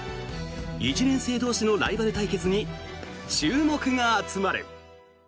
１年生同士のライバル対決に注目が集まる。